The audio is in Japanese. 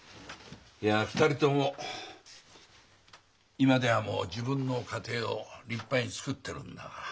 ２人とも今では自分の家庭を立派につくっているんだが。